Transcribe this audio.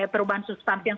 perubahan sustansi yang